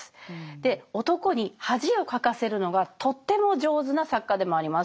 男に恥をかかせるのがとても上手な作家でもあります。